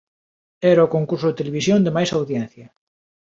Era o concurso de televisión de máis audiencia.